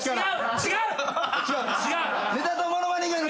違う。